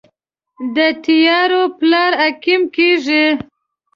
د تیارو پلار عقیم کیږي